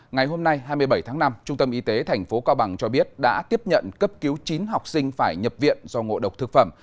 ngày hôm nay hai mươi bảy tháng năm trung tâm y tế tp cao bằng cho biết đã tiếp nhận cấp cứu chín học sinh phải nhập viện do ngộ độc thực phẩm